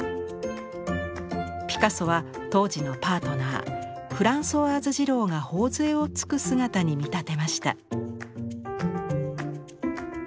ピカソは当時のパートナーフランソワーズ・ジローが頬づえをつく姿に見立てました。